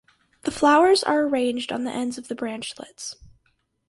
The flowers are arranged on the ends of the branchlets.